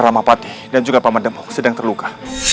ramapati dan juga paman demhung sedang terluka